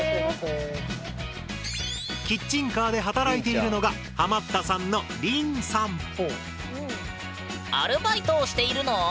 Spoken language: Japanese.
キッチンカーで働いているのがハマったさんのアルバイトをしているの？